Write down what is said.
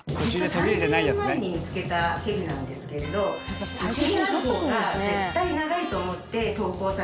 ３０年前に見つけたヘビなんですけれど家にある方が絶対長いと思って投稿させて頂きました。